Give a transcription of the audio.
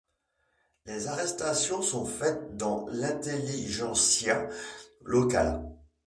Des arrestations sont faites dans l'intelligentsia locale.